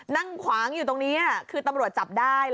นั่งขวางอยู่ตรงนี้คือตำรวจจับได้